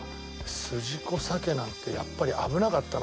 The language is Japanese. すじこさけなんてやっぱり危なかったな。